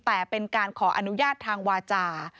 แต่เป็นการขออนุญาตทางวาจา